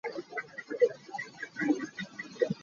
Muidawh lawng nih cun zei a chuahpi lai lo.